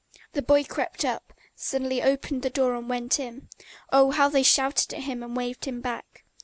The boy crept up, suddenly opened the door and went in. Oh, how they shouted at him and waved him back!